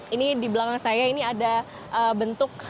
ini di belakang saya ini ada bentuk